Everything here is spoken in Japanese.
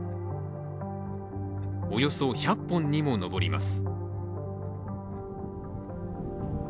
およそ１００本にも上ります。